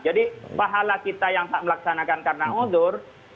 jadi pahala kita yang tak melaksanakan karena unzur